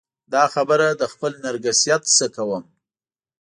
دا خبره له خپل نرګسیت نه کوم.